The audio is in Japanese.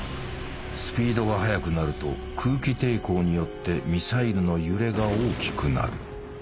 スピードが速くなると空気抵抗によってミサイルの揺れが大きくなる。